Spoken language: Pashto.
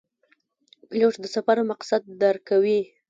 پیلوټ د سفر مقصد درک کوي.